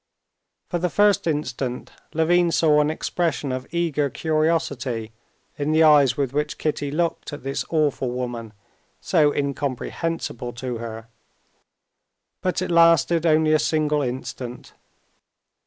For the first instant Levin saw an expression of eager curiosity in the eyes with which Kitty looked at this awful woman, so incomprehensible to her; but it lasted only a single instant.